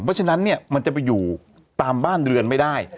เพราะฉะนั้นเนี่ยมันจะไปอยู่ตามบ้านเรือนไม่ได้